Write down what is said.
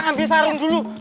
ambil sarung dulu